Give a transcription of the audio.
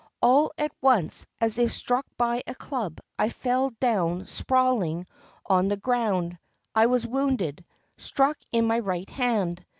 All at once, as if struck by a club, I fell down sprawling on the ground. I was wounded, struck in my right hand.